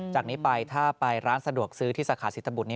จากนี้ไปถ้าไปร้านสะดวกซื้อที่สาขาศิตบุตร